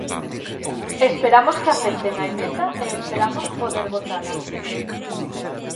Esperamos que acepten a emenda e esperamos poder votala.